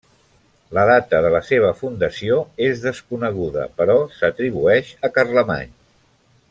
La data de la seva fundació és desconeguda però s'atribueix a Carlemany.